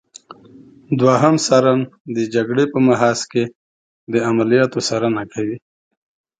دوهم څارن د جګړې په محاذ کې د عملیاتو څارنه کوي.